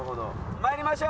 参りましょう。